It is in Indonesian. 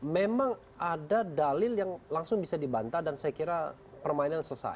memang ada dalil yang langsung bisa dibantah dan saya kira permainan selesai